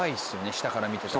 下から見てたら。